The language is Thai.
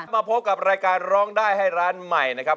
มาพบกับรายการร้องได้ให้ร้านใหม่นะครับ